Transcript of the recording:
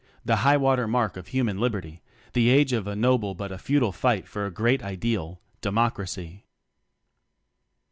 the highwater mark of human liberty the age of a noble but a futile fight for a great ideal Democracy.